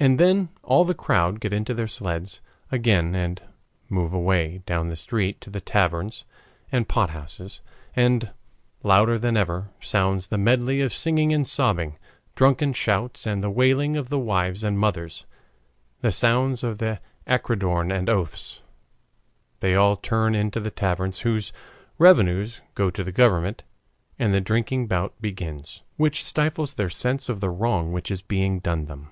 And then all the crowd get into their sledges again and move away down the street to the taverns and pot houses, and louder than ever sounds the medley of singing and sobbing, drunken shouts, and the wailing of the wives and mothers, the sounds of the accordeon and oaths. They all turn into the taverns, whose revenues go to the government, and the drinking bout begins, which stifles their sense of the wrong which is being done them.